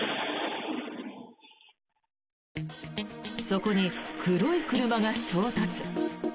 そこに黒い車が衝突。